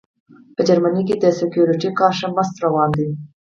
په جرمني کې د سیکیورټي کار ښه مست روان دی